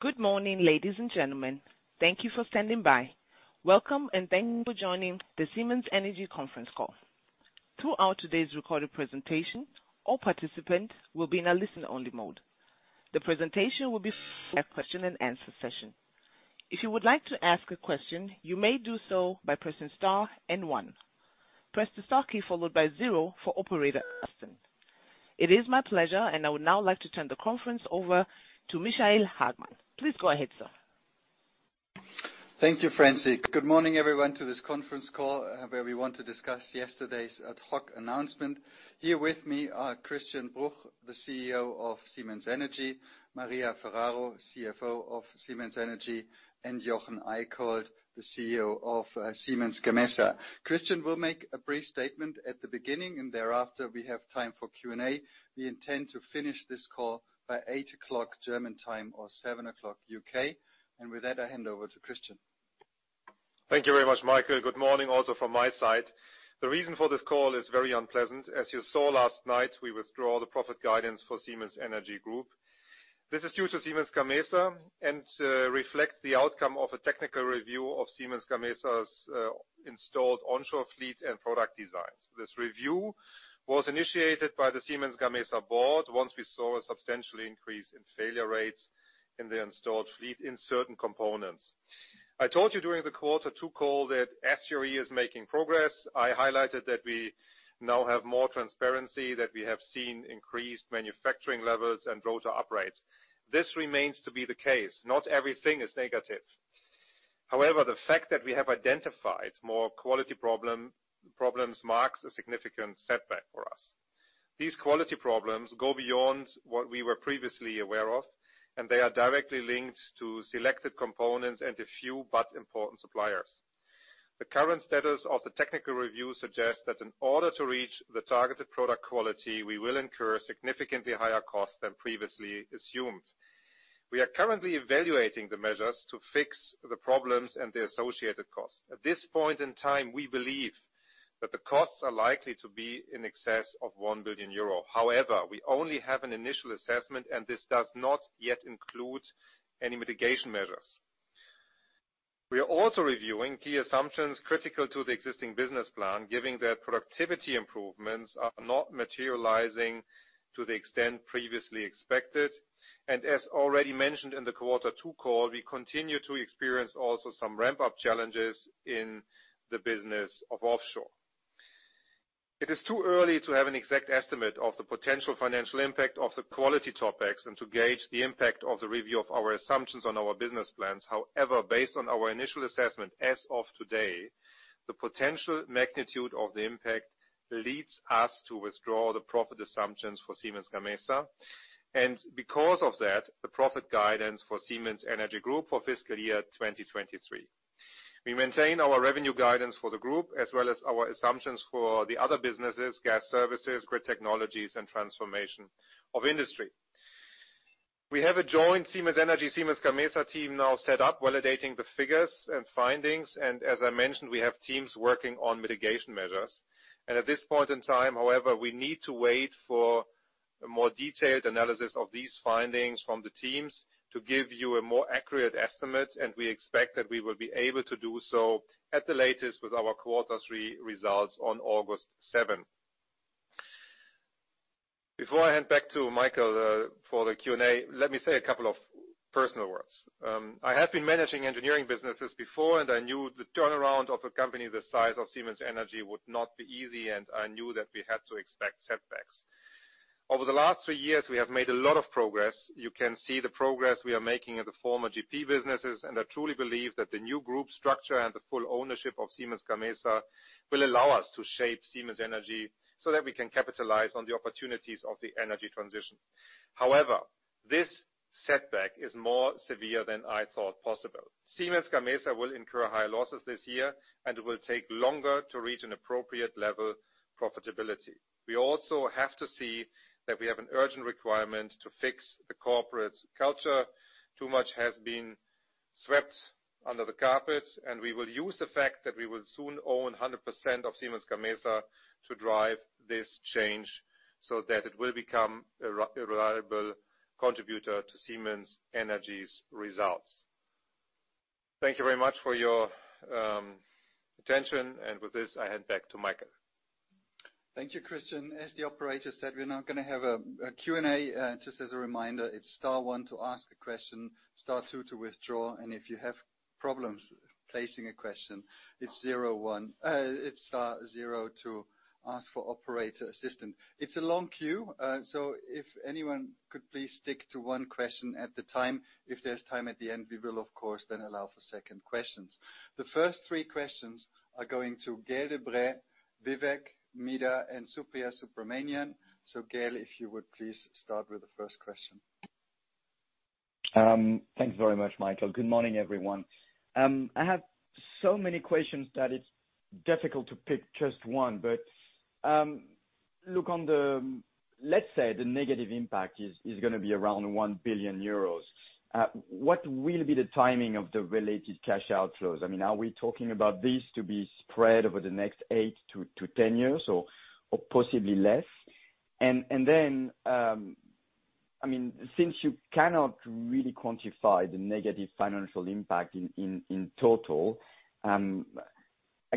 Good morning, ladies and gentlemen. Thank you for standing by. Welcome, and thank you for joining the Siemens Energy conference call. Throughout today's recorded presentation, all participants will be in a listen-only mode. The presentation will be followed by a question and answer session. If you would like to ask a question, you may do so by pressing star and 1. Press the star key followed by 0 for operator assistant. It is my pleasure, and I would now like to turn the conference over to Michael Hagmann. Please go ahead, sir. Thank you, Francie. Good morning, everyone, to this conference call, where we want to discuss yesterday's ad hoc announcement. Here with me are Christian Bruch, the CEO of Siemens Energy, Maria Ferraro, CFO of Siemens Energy, and Jochen Eickholt, the CEO of Siemens Gamesa. Christian will make a brief statement at the beginning, and thereafter, we have time for Q&A. We intend to finish this call by 8:00 German time or 7:00 UK. With that, I hand over to Christian. Thank you very much, Michael. Good morning also from my side. The reason for this call is very unpleasant. As you saw last night, we withdraw the profit guidance for Siemens Energy Group. This is due to Siemens Gamesa and reflect the outcome of a technical review of Siemens Gamesa's installed onshore fleet and product designs. This review was initiated by the Siemens Gamesa board once we saw a substantial increase in failure rates in the installed fleet in certain components. I told you during the Quarter Two call that SGRE is making progress. I highlighted that we now have more transparency, that we have seen increased manufacturing levels and rotor upgrades. This remains to be the case. Not everything is negative. However, the fact that we have identified more quality problems marks a significant setback for us. These quality problems go beyond what we were previously aware of. They are directly linked to selected components and a few but important suppliers. The current status of the technical review suggests that in order to reach the targeted product quality, we will incur significantly higher costs than previously assumed. We are currently evaluating the measures to fix the problems and the associated costs. At this point in time, we believe that the costs are likely to be in excess of 1 billion euro. We only have an initial assessment, and this does not yet include any mitigation measures. We are also reviewing key assumptions critical to the existing business plan, given that productivity improvements are not materializing to the extent previously expected. As already mentioned in the Quarter Two call, we continue to experience also some ramp-up challenges in the business of offshore. It is too early to have an exact estimate of the potential financial impact of the quality topics and to gauge the impact of the review of our assumptions on our business plans. Based on our initial assessment, as of today, the potential magnitude of the impact leads us to withdraw the profit assumptions for Siemens Gamesa, and because of that, the profit guidance for Siemens Energy Group for fiscal year 2023. We maintain our revenue guidance for the group, as well as our assumptions for the other businesses: Gas Services, Grid Technologies, and Transformation of Industry. We have a joint Siemens Energy, Siemens Gamesa team now set up, validating the figures and findings, as I mentioned, we have teams working on mitigation measures. At this point in time, however, we need to wait for a more detailed analysis of these findings from the teams to give you a more accurate estimate, and we expect that we will be able to do so at the latest with our Quarter Three results on August 7. Before I hand back to Michael, for the Q&A, let me say a couple of personal words. I have been managing engineering businesses before, and I knew the turnaround of a company the size of Siemens Energy would not be easy, and I knew that we had to expect setbacks. Over the last 3 years, we have made a lot of progress. You can see the progress we are making in the former GP businesses. I truly believe that the new group structure and the full ownership of Siemens Gamesa will allow us to shape Siemens Energy so that we can capitalize on the opportunities of the energy transition. This setback is more severe than I thought possible. Siemens Gamesa will incur higher losses this year and will take longer to reach an appropriate level of profitability. We also have to see that we have an urgent requirement to fix the corporate culture. Too much has been swept under the carpet. We will use the fact that we will soon own 100% of Siemens Gamesa to drive this change so that it will become a reliable contributor to Siemens Energy's results. Thank you very much for your attention, and with this, I hand back to Michael. Thank you, Christian. As the operator said, we're now gonna have a Q&A. Just as a reminder, it's star one to ask a question, star two to withdraw, and if you have problems placing a question, it's star zero to ask for operator assistant. It's a long queue, if anyone could please stick to one question at the time. If there's time at the end, we will, of course, then allow for second questions. The first three questions are going to Gael de-Bray, Vivek Midha, and Supriya Subramanian. Gael, if you would please start with the first question. Thank you very much, Michael. Good morning, everyone. I have so many questions that it's difficult to pick just one, but, Let's say the negative impact is gonna be around 1 billion euros. What will be the timing of the related cash outflows? I mean, are we talking about this to be spread over the next 8-10 years or possibly less? I mean, since you cannot really quantify the negative financial impact in total, I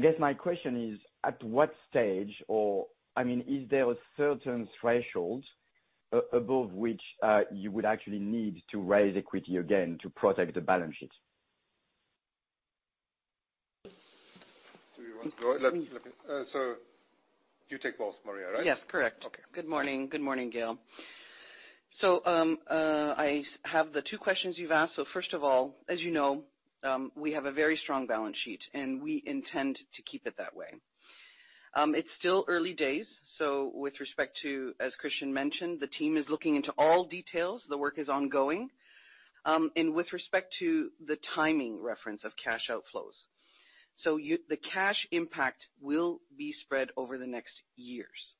guess my question is, at what stage, or, I mean, is there a certain threshold above which, you would actually need to raise equity again to protect the balance sheet? Do you want to go? You take both, Maria, right? Yes, correct. Okay. Good morning. Good morning, Gael. I have the two questions you've asked. First of all, as you know, we have a very strong balance sheet, and we intend to keep it that way. It's still early days, with respect to, as Christian mentioned, the team is looking into all details. The work is ongoing. And with respect to the timing reference of cash outflows, the cash impact will be spread over the next years.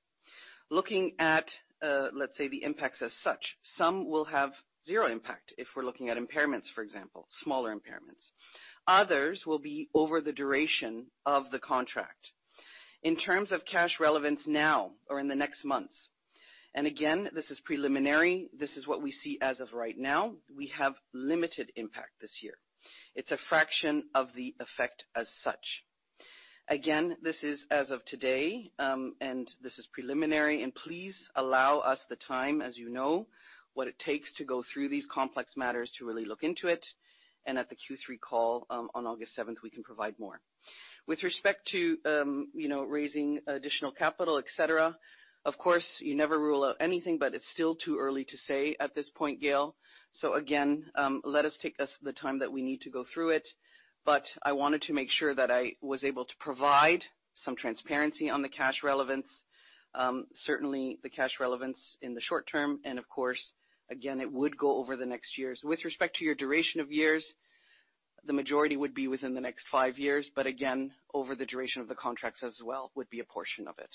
Looking at, let's say, the impacts as such, some will have zero impact if we're looking at impairments, for example, smaller impairments. Others will be over the duration of the contract. In terms of cash relevance now or in the next months, and again, this is preliminary, this is what we see as of right now, we have limited impact this year. It's a fraction of the effect as such. Again, this is as of today, and this is preliminary, and please allow us the time, as you know, what it takes to go through these complex matters to really look into it. At the Q3 call, on August seventh, we can provide more. With respect to, you know, raising additional capital, et cetera, of course, you never rule out anything, but it's still too early to say at this point, Gael. Again, let us take us the time that we need to go through it. I wanted to make sure that I was able to provide some transparency on the cash relevance, certainly the cash relevance in the short term, and of course, again, it would go over the next years. With respect to your duration of years, the majority would be within the next 5 years, but again, over the duration of the contracts as well would be a portion of it.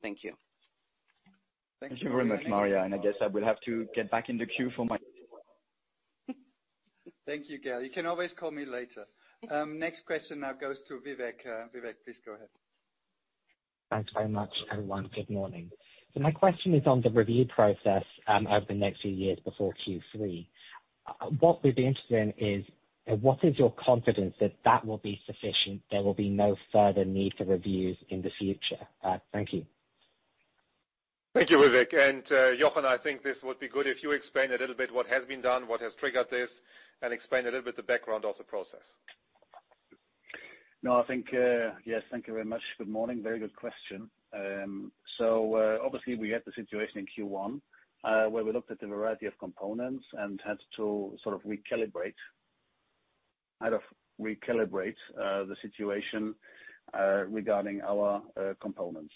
Thank you. Thank you very much, Maria, and I guess I will have to get back in the queue for my Thank you, Gael. You can always call me later. Next question now goes to Vivek. Vivek, please go ahead. Thanks very much, everyone. Good morning. My question is on the review process, over the next few years before Q3. What we'd be interested in is, what is your confidence that that will be sufficient, there will be no further need for reviews in the future? Thank you. Thank you, Vivek, and Jochen, I think this would be good if you explain a little bit what has been done, what has triggered this, and explain a little bit the background of the process. No, I think. Yes, thank you very much. Good morning. Very good question. Obviously, we had the situation in Q1 where we looked at a variety of components and had to sort of recalibrate, the situation regarding our components.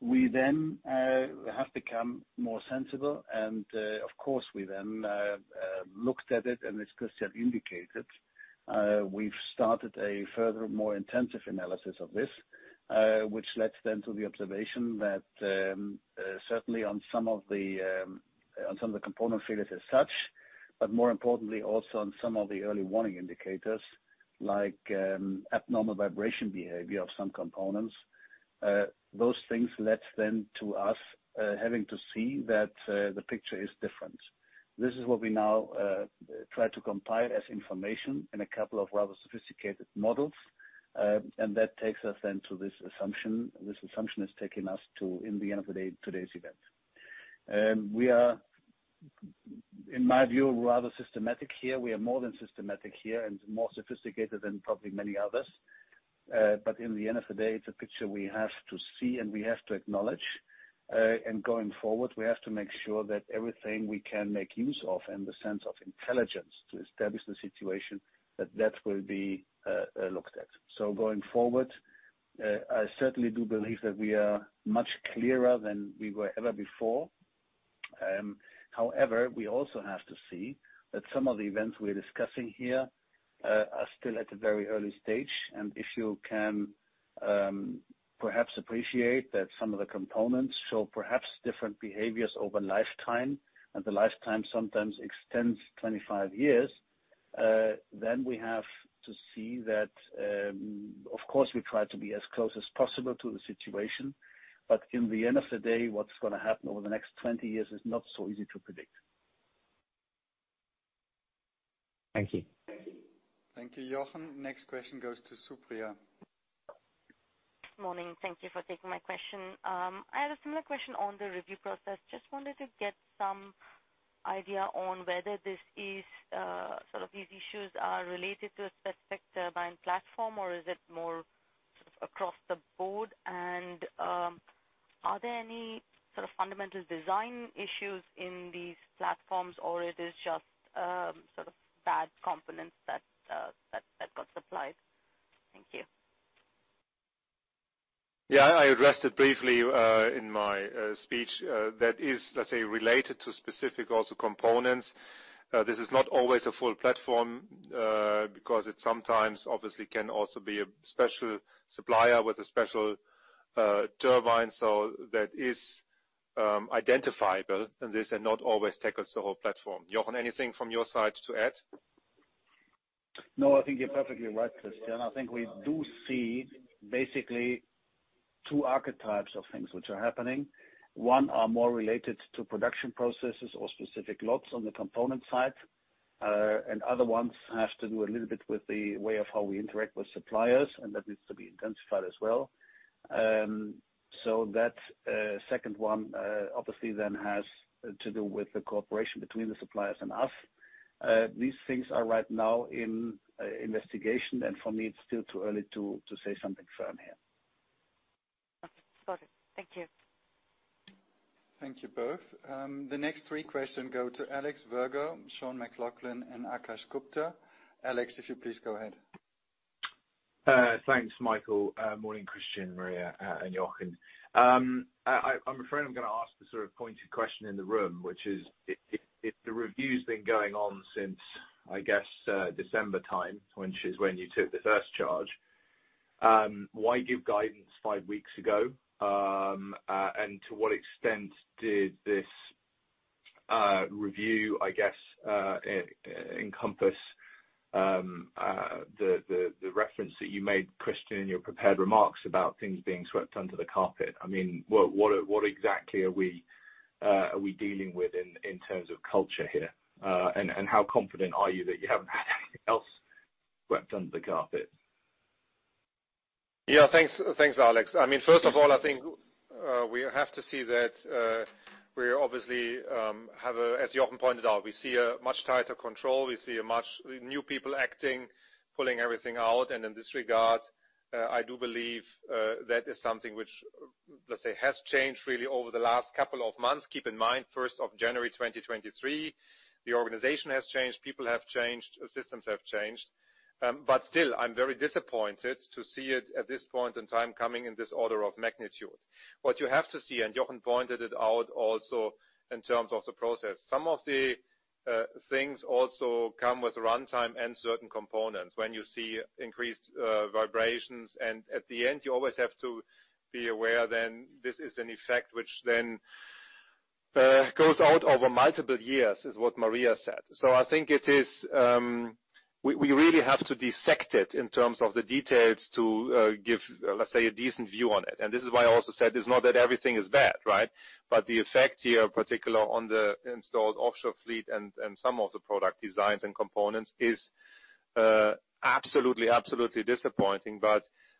We then have become more sensible, and of course, we then looked at it, and as Christian indicated, we've started a further, more intensive analysis of this, which led then to the observation that certainly on some of the on some of the component failures as such, but more importantly, also on some of the early warning indicators, like abnormal vibration behavior of some components. Those things led then to us having to see that the picture is different. This is what we now try to compile as information in a couple of rather sophisticated models, and that takes us then to this assumption. This assumption has taken us to, in the end of the day, today's event. We are, in my view, rather systematic here. We are more than systematic here and more sophisticated than probably many others. In the end of the day, it's a picture we have to see, and we have to acknowledge. Going forward, we have to make sure that everything we can make use of in the sense of intelligence to establish the situation, that will be looked at. Going forward, I certainly do believe that we are much clearer than we were ever before. However, we also have to see that some of the events we're discussing here, are still at a very early stage, and if you can, perhaps appreciate that some of the components show perhaps different behaviors over lifetime, and the lifetime sometimes extends 25 years, then we have to see that, of course, we try to be as close as possible to the situation, but in the end of the day, what's going to happen over the next 20 years is not so easy to predict. Thank you. Thank you, Jochen. Next question goes to Supriya. Morning. Thank you for taking my question. I had a similar question on the review process. Just wanted to get some idea on whether this is, sort of these issues are related to a specific turbine platform, or is it more across the board? Are there any sort of fundamental design issues in these platforms, or it is just, sort of bad components that got supplied? Thank you. I addressed it briefly in my speech. That is, let's say, related to specific also components. This is not always a full platform, because it sometimes obviously can also be a special supplier with a special turbine, so that is identifiable, and this are not always tackles the whole platform. Jochen, anything from your side to add? No, I think you're perfectly right, Christian. I think we do see basically two archetypes of things which are happening. One are more related to production processes or specific lots on the component side, and other ones has to do a little bit with the way of how we interact with suppliers, and that needs to be intensified as well. That, second one, obviously then has to do with the cooperation between the suppliers and us. These things are right now in investigation, and for me, it's still too early to say something firm here. Okay. Got it. Thank you. Thank you both. The next three question go to Alex Virgo, Sean McLoughlin, and Akash Gupta. Alex, if you please go ahead. Thanks, Michael. Morning, Christian, Maria, and Jochen. I'm afraid I'm gonna ask the sort of pointed question in the room, which is, if the review's been going on since, I guess, December time, which is when you took the first charge, why give guidance five weeks ago? To what extent did this review, I guess, encompass the reference that you made, Christian, in your prepared remarks about things being swept under the carpet? I mean, what exactly are we dealing with in terms of culture here? How confident are you that you haven't had anything else swept under the carpet? Yeah. Thanks, Alex. I mean, first of all, I think we have to see that we obviously. As Jochen pointed out, we see a much tighter control. We see new people acting, pulling everything out, and in this regard, I do believe that is something which, let's say, has changed really over the last couple of months. Keep in mind, first of January 2023, the organization has changed, people have changed, systems have changed. Still, I'm very disappointed to see it at this point in time, coming in this order of magnitude. What you have to see, Jochen pointed it out also in terms of the process, some of the things also come with runtime and certain components when you see increased vibrations, at the end, you always have to be aware then, this is an effect which then goes out over multiple years, is what Maria said. I think it is, we really have to dissect it in terms of the details to give, let's say, a decent view on it, this is why I also said, it's not that everything is bad, right? The effect here, particular on the installed offshore fleet and some of the product designs and components, is absolutely disappointing.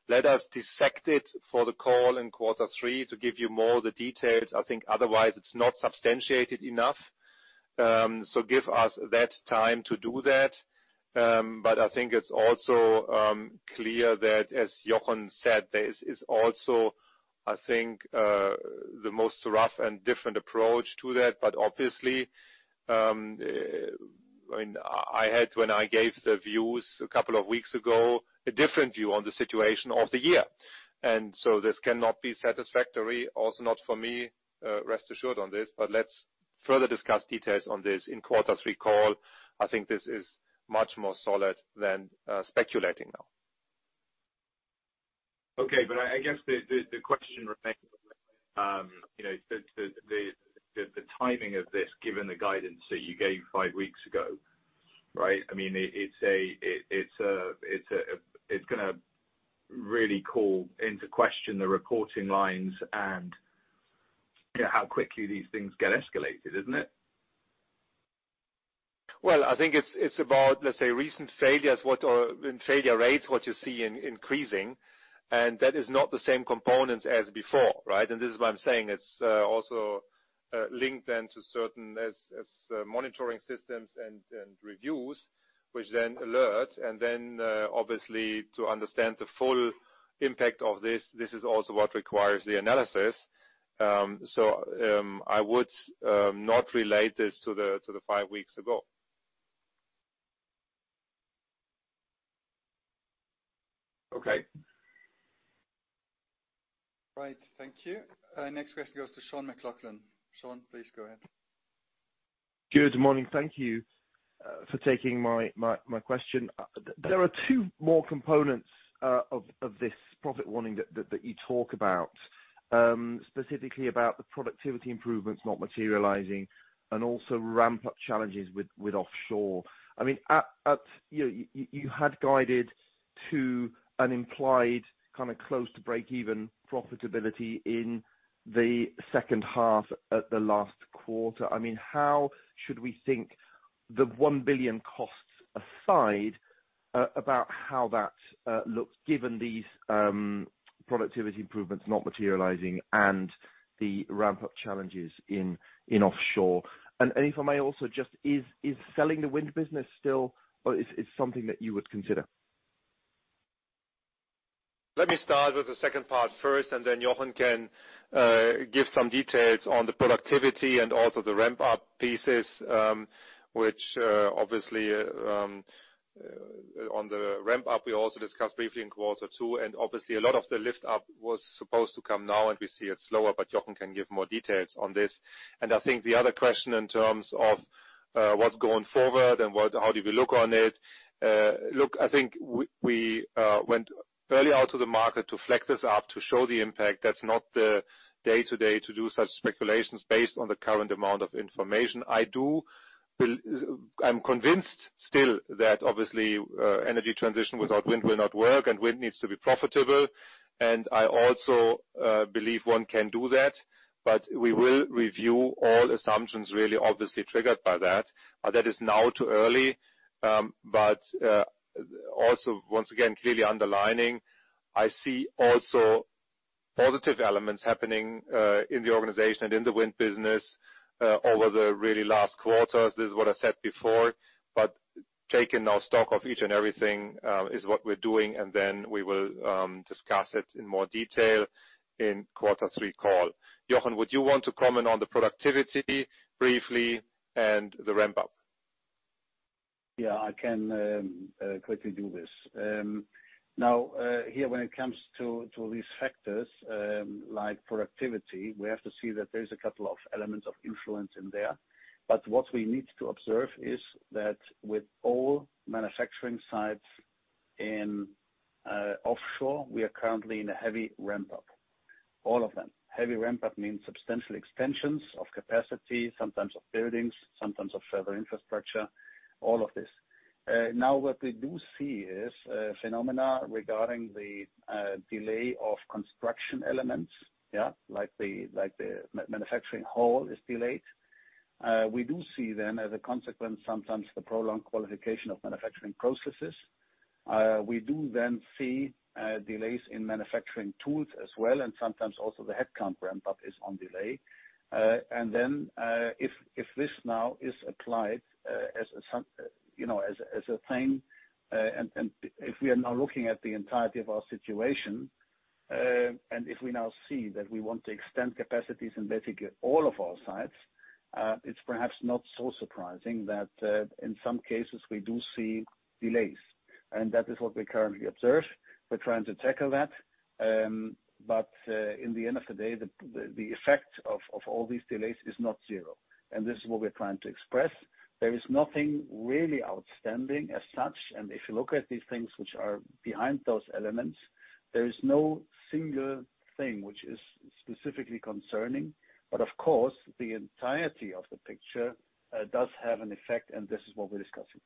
Let us dissect it for the call in quarter three to give you more of the details. I think otherwise, it's not substantiated enough. Give us that time to do that. I think it's also clear that, as Jochen said, there is also, I think, the most rough and different approach to that. Obviously, I mean, I had, when I gave the views a couple of weeks ago, a different view on the situation of the year, and so this cannot be satisfactory, also not for me, rest assured on this. Let's further discuss details on this in quarter three call. I think this is much more solid than speculating now. Okay, I guess the question remains, you know, the timing of this, given the guidance that you gave five weeks ago, right? I mean, it's a, it's gonna really call into question the reporting lines and, yeah, how quickly these things get escalated, isn't it? Well, I think it's about, let's say, recent failures. In failure rates, what you see in increasing, and that is not the same components as before, right? This is why I'm saying it's also linked then to certain as monitoring systems and reviews, which then alert, and then obviously, to understand the full impact of this is also what requires the analysis. I would not relate this to the five weeks ago. Okay. Right. Thank you. Next question goes to Sean McLoughlin. Sean, please go ahead. Good morning. Thank you for taking my question. There are two more components of this profit warning that you talk about, specifically about the productivity improvements not materializing and also ramp-up challenges with offshore. I mean, at you had guided to an implied, kind of, close to breakeven profitability in the second half at the last quarter. I mean, how should we think, the 1 billion costs aside, about how that looks, given these productivity improvements not materializing and the ramp-up challenges in offshore? If I may also just, is selling the wind business still something that you would consider? Let me start with the second part first, and then Jochen can give some details on the productivity and also the ramp-up pieces, which obviously on the ramp-up, we also discussed briefly in quarter two, and obviously, a lot of the lift up was supposed to come now, and we see it slower, but Jochen can give more details on this. I think the other question in terms of what's going forward and how do we look on it, look, I think we went early out to the market to flex this up, to show the impact. That's not the day-to-day to do such speculations based on the current amount of information. I'm convinced still that obviously, energy transition without wind will not work, and wind needs to be profitable, and I also believe one can do that. We will review all assumptions really obviously triggered by that. That is now too early. Also once again, clearly underlining, I see also positive elements happening in the organization and in the wind business over the really last quarters. This is what I said before. Taking now stock of each and everything is what we're doing, and then we will discuss it in more detail in quarter three call. Jochen, would you want to comment on the productivity briefly and the ramp-up? I can quickly do this. Now, here when it comes to these factors, like productivity, we have to see that there is a couple of elements of influence in there. What we need to observe is that with all manufacturing sites in offshore, we are currently in a heavy ramp-up. All of them. Heavy ramp-up means substantial extensions of capacity, sometimes of buildings, sometimes of further infrastructure, all of this. Now, what we do see is a phenomena regarding the delay of construction elements, like the manufacturing hall is delayed. We do see then, as a consequence, sometimes the prolonged qualification of manufacturing processes. We do then see delays in manufacturing tools as well, and sometimes also the headcount ramp-up is on delay. Then, if this now is applied, you know, as a, as a thing, if we are now looking at the entirety of our situation, and if we now see that we want to extend capacities in basically all of our sites, it's perhaps not so surprising that, in some cases we do see delays. That is what we currently observe. We're trying to tackle that. In the end of the day, the effect of all these delays is not zero, and this is what we're trying to express. There is nothing really outstanding as such, and if you look at these things which are behind those elements, there is no single thing which is specifically concerning. Of course, the entirety of the picture does have an effect, and this is what we're discussing.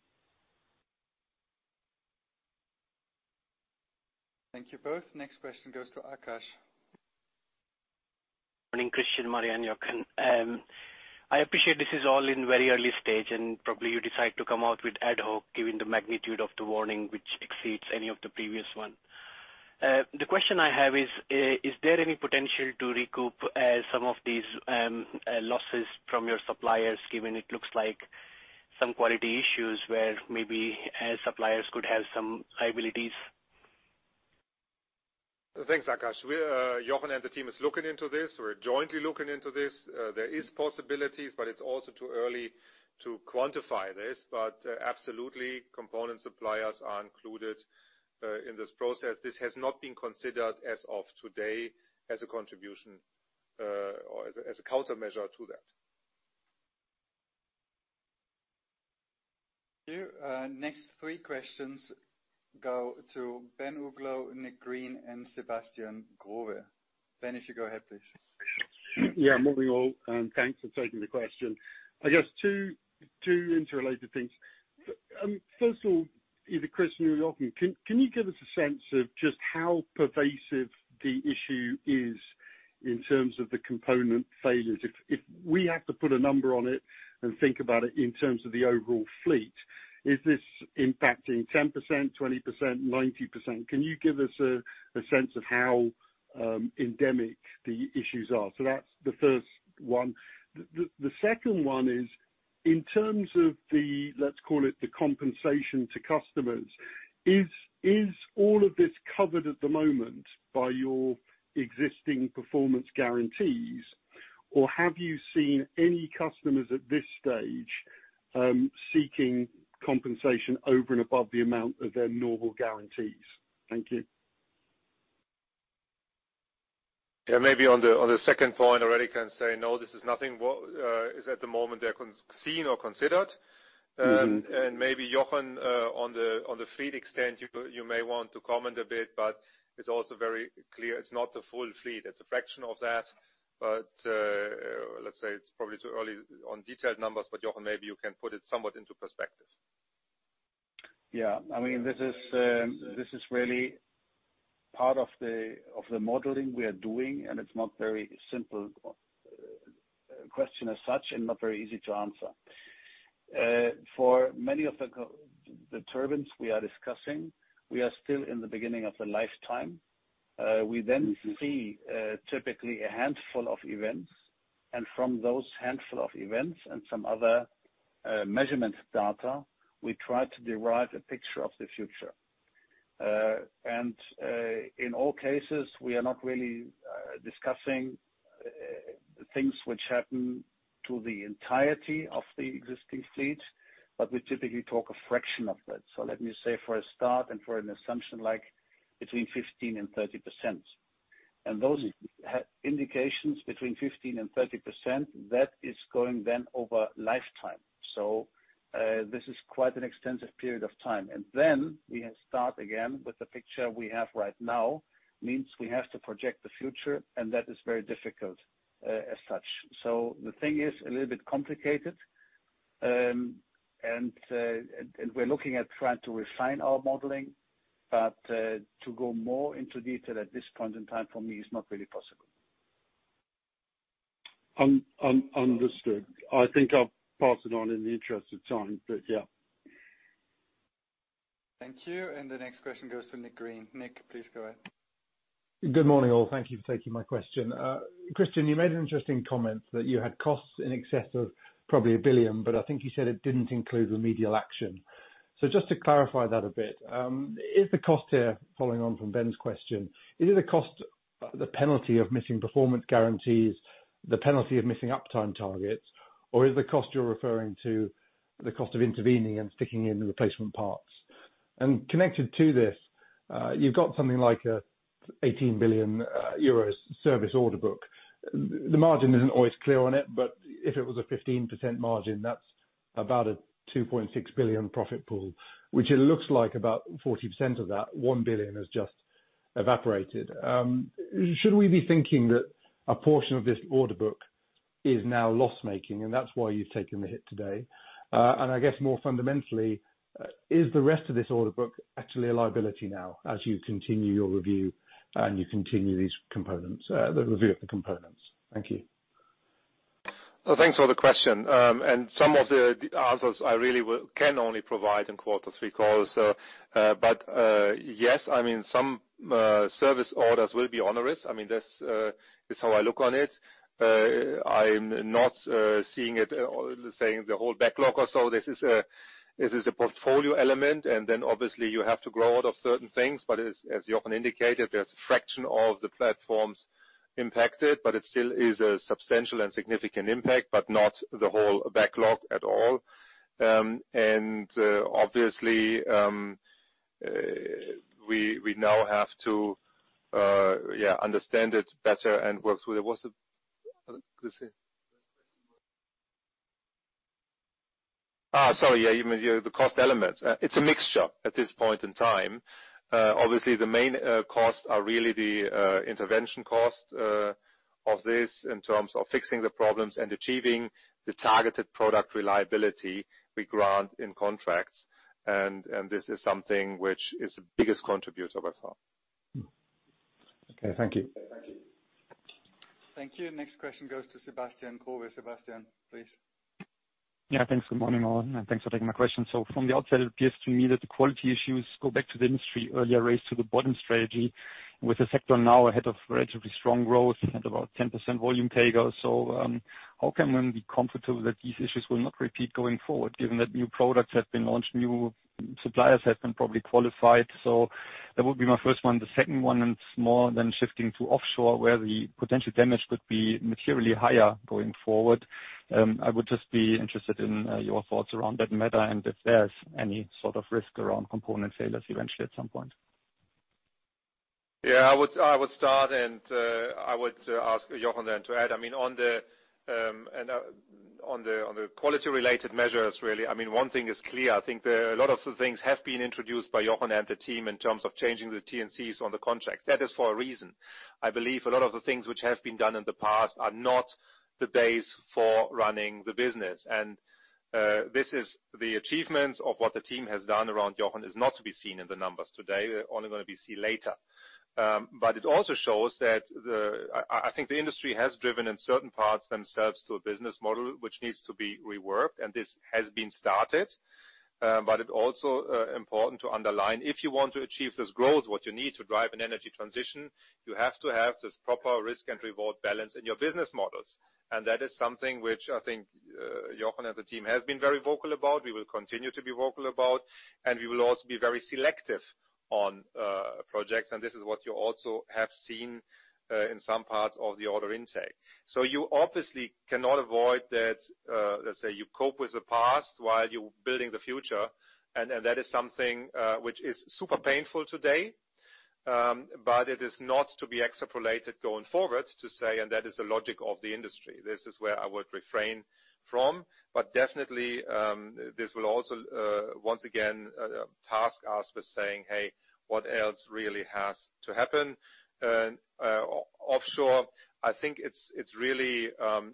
Thank you both. Next question goes to Akash. Morning, Christian, Maria, and Jochen. I appreciate this is all in very early stage, probably you decide to come out with ad hoc, given the magnitude of the warning, which exceeds any of the previous one. The question I have is there any potential to recoup, some of these, losses from your suppliers, given it looks like some quality issues where maybe as suppliers could have some liabilities? Thanks, Akash. Jochen and the team is looking into this. We're jointly looking into this. There is possibilities, but it's also too early to quantify this. Absolutely, component suppliers are included in this process. This has not been considered as of today as a contribution or as a countermeasure to that. Thank you. Next three questions go to Ben Uglow, Nick Green, and Sebastian Growe. Ben, if you go ahead, please. Yeah, morning, all, and thanks for taking the question. I guess two interrelated things. First of all, either Christian or Jochen, can you give us a sense of just how pervasive the issue is in terms of the component failures? If we had to put a number on it and think about it in terms of the overall fleet, is this impacting 10%, 20%, 90%? Can you give us a sense of how endemic the issues are? That's the first one. The second one is, in terms of the, let's call it the compensation to customers, is all of this covered at the moment by your existing performance guarantees, or have you seen any customers at this stage seeking compensation over and above the amount of their normal guarantees? Thank you. Maybe on the, on the second point, I already can say, no, this is nothing what is at the moment I seen or considered. Maybe Jochen, on the, on the fleet extent, you may want to comment a bit, but it's also very clear it's not the full fleet. It's a fraction of that. Let's say it's probably too early on detailed numbers, but, Jochen, maybe you can put it somewhat into perspective. Yeah. I mean, this is really part of the modeling we are doing, and it's not very simple, question as such, and not very easy to answer. For many of the turbines we are discussing, we are still in the beginning of the lifetime. We... see, typically a handful of events, and from those handful of events and some other, measurement data, we try to derive a picture of the future. In all cases, we are not really discussing things which happen to the entirety of the existing fleet, but we typically talk a fraction of that. Let me say, for a start and for an assumption like between 15% and 30%. Those have indications between 15% and 30%, that is going then over lifetime. This is quite an extensive period of time. Then we have start again with the picture we have right now, means we have to project the future, and that is very difficult as such. The thing is a little bit complicated. We're looking at trying to refine our modeling, but, to go more into detail at this point in time, for me, is not really possible. understood. I think I'll pass it on in the interest of time, but yeah. Thank you. The next question goes to Nick Green. Nick, please go ahead. Good morning, all. Thank you for taking my question. Christian, you made an interesting comment that you had costs in excess of probably 1 billion, but I think you said it didn't include the remedial action. Just to clarify that a bit, is the cost here, following on from Ben's question, is it a cost, the penalty of missing performance guarantees, the penalty of missing uptime targets, or is the cost you're referring to the cost of intervening and sticking in the replacement parts? Connected to this, you've got something like 18 billion euros service order book. The margin isn't always clear on it, but if it was a 15% margin, that's about a 2.6 billion profit pool, which it looks like about 40% of that, 1 billion, has just evaporated. Should we be thinking that a portion of this order book is now loss-making, and that's why you've taken the hit today? I guess more fundamentally, is the rest of this order book actually a liability now, as you continue your review and you continue these components, the review of the components? Thank you. Well, thanks for the question. Some of the answers I really can only provide in quarter three calls. Yes, I mean, some service orders will be onerous. I mean, that's how I look on it. I'm not seeing it or saying the whole backlog or so. This is a portfolio element, and then obviously you have to grow out of certain things. As Jochen indicated, there's a fraction of the platforms impacted, but it still is a substantial and significant impact, but not the whole backlog at all. Obviously, we now have to, yeah, understand it better and work through it. What's the sorry, yeah, you mean the cost elements? It's a mixture at this point in time. Obviously, the main costs are really the intervention cost of this in terms of fixing the problems and achieving the targeted product reliability we grant in contracts, and this is something which is the biggest contributor by far. Okay. Thank you. Thank you. Thank you. Next question goes to Sebastian Growe. Sebastian, please. Yeah, thanks. Good morning, all. Thanks for taking my question. From the outside, it appears to me that the quality issues go back to the industry earlier, race to the bottom strategy, with the sector now ahead of relatively strong growth and about 10% volume pay go. How can one be comfortable that these issues will not repeat going forward, given that new products have been launched, new suppliers have been probably qualified? That would be my first one. The second one, it's more than shifting to offshore, where the potential damage could be materially higher going forward. I would just be interested in your thoughts around that matter, and if there's any sort of risk around component failures eventually, at some point. I would start, I would ask Jochen then to add. I mean, on the, on the quality-related measures, really, I mean, one thing is clear: I think there, a lot of the things have been introduced by Jochen and the team in terms of changing the T&Cs on the contract. That is for a reason. I believe a lot of the things which have been done in the past are not the base for running the business. This is the achievements of what the team has done around Jochen is not to be seen in the numbers today. They're only going to be seen later. It also shows that the... I think the industry has driven, in certain parts themselves, to a business model which needs to be reworked, this has been started. It also important to underline, if you want to achieve this growth, what you need to drive an energy transition, you have to have this proper risk and reward balance in your business models. That is something which I think, Jochen and the team has been very vocal about, we will continue to be vocal about, and we will also be very selective on projects, and this is what you also have seen in some parts of the order intake. You obviously cannot avoid that, let's say, you cope with the past while you're building the future, and that is something which is super painful today, it is not to be extrapolated going forward, to say, and that is the logic of the industry. This is where I would refrain from, but definitely, this will also, once again, task us with saying, "Hey, what else really has to happen?" Offshore, I think it's really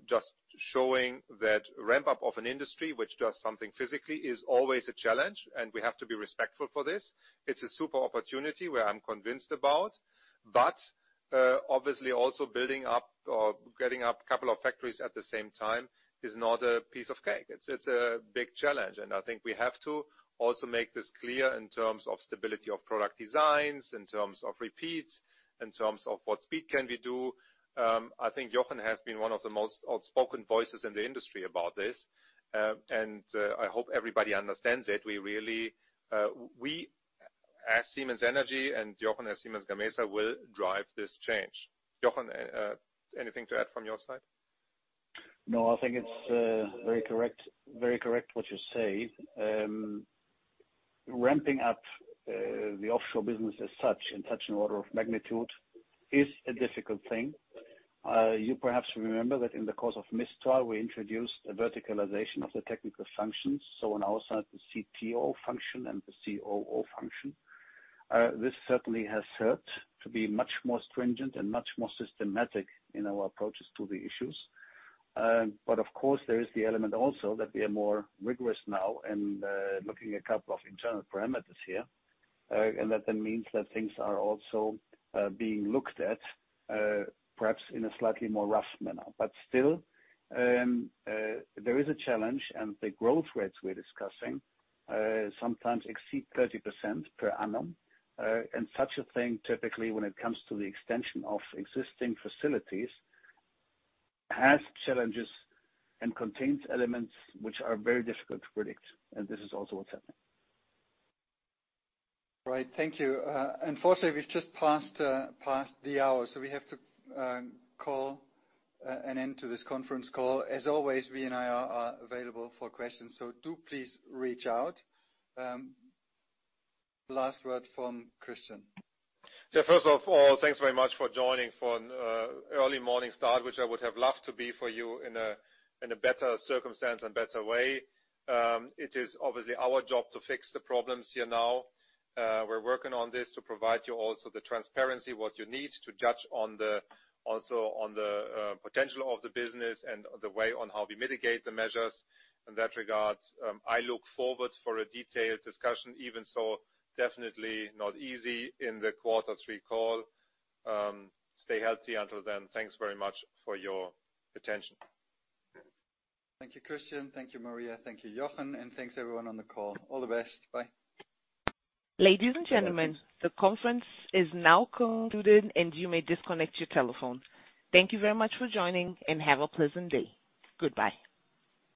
just showing that ramp-up of an industry which does something physically is always a challenge, and we have to be respectful for this. It's a super opportunity where I'm convinced about, but obviously also building up or getting up a couple of factories at the same time is not a piece of cake. It's a big challenge, and I think we have to also make this clear in terms of stability of product designs, in terms of repeats, in terms of what speed can we do. I think Jochen has been one of the most outspoken voices in the industry about this, and I hope everybody understands it. We really, we, as Siemens Energy and Jochen as Siemens Gamesa, will drive this change. Jochen, anything to add from your side? I think it's very correct, very correct what you say. Ramping up the offshore business as such, in such an order of magnitude is a difficult thing. You perhaps remember that in the course of Mistral, we introduced a verticalization of the technical functions, so on our side, the CTO function and the COO function. This certainly has helped to be much more stringent and much more systematic in our approaches to the issues. Of course, there is the element also that we are more rigorous now and looking a couple of internal parameters here. That then means that things are also being looked at perhaps in a slightly more rough manner. Still, there is a challenge, and the growth rates we're discussing sometimes exceed 30% per annum. Such a thing, typically, when it comes to the extension of existing facilities, has challenges and contains elements which are very difficult to predict, and this is also what's happening. Right. Thank you. Unfortunately, we've just passed the hour, so we have to call an end to this conference call. As always, we and I are available for questions, so do please reach out. Last word from Christian. Yeah, first of all, thanks very much for joining for early morning start, which I would have loved to be for you in a better circumstance and better way. It is obviously our job to fix the problems here now. We're working on this to provide you also the transparency, what you need to judge on the potential of the business and the way on how we mitigate the measures in that regard. I look forward for a detailed discussion, even so, definitely not easy in the quarter three call. Stay healthy until then. Thanks very much for your attention. Thank you, Christian. Thank you, Maria. Thank you, Jochen. Thanks everyone on the call. All the best. Bye. Ladies and gentlemen, the conference is now concluded. You may disconnect your telephones. Thank you very much for joining. Have a pleasant day. Goodbye.